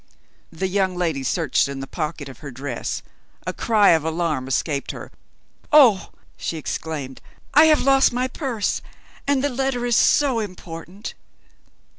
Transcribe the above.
The young lady searched in the pocket of her dress a cry of alarm escaped her. "Oh!" she exclaimed, "I have lost my purse, and the letter is so important!"